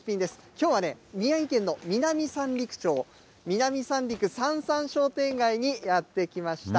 きょうはね、宮城県の南三陸町南三陸さんさん商店街にやって来ました。